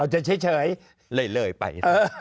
เฉยเลยเลยไป